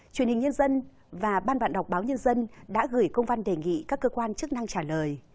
truyền hình nhân dân và ban bạn đọc báo nhân dân đã gửi công văn đề nghị các cơ quan chức năng trả lời